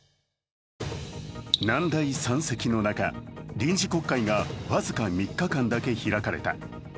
難題山積の中、臨時国会が僅か３日間だけ開かれた。